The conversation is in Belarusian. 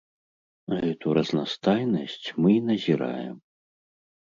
Гэту разнастайнасць мы і назіраем.